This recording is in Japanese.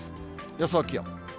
予想気温。